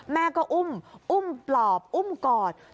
แม่ก็อุ้มอุ้มปลอบอุ้มกอด